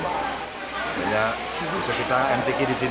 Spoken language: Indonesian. namanya usaha kita mtk di sini